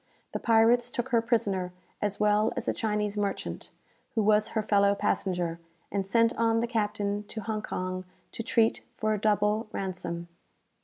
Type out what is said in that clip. The pirates took her prisoner, as well as a Chinese merchant, who was her fellow passenger, and sent on the captain to Hong Kong, to treat for a double ransom.